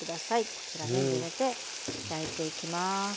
こちら全部入れて焼いていきます。